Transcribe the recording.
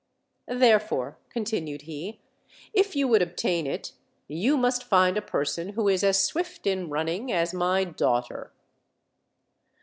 "Therefore," continued he, "if you would ob tain it, you must find a person who is as swift in running as my daughter."